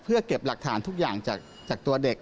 เพื่อเก็บหลักฐานทุกอย่างจากตัวเด็ก